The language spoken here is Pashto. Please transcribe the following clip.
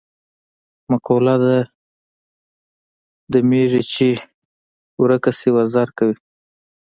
مقوله ده: د میږي چې ورکه راشي وزر کوي.